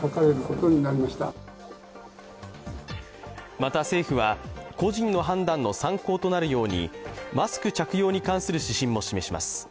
また政府は個人の判断の参考となるように、マスク着用に関する指針も示します。